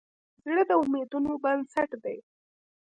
زړه د امیدونو بنسټ دی.